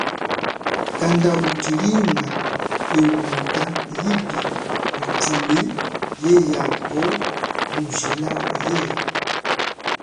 Kanda uchilinga ehuka yipi litume yeyako mu jila ye.